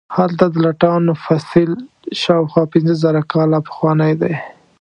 هلته د لټانو فسیل شاوخوا پنځه زره کاله پخوانی دی.